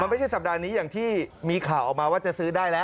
ไม่ใช่สัปดาห์นี้อย่างที่มีข่าวออกมาว่าจะซื้อได้แล้ว